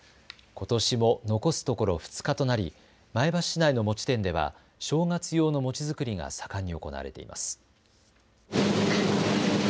ことしも残すところ２日となり前橋市内の餅店では正月用の餅作りが盛んに行われています。